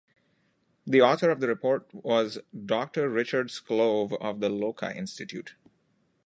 The author of the report was Doctor Richard Sclove of the Loka Institute.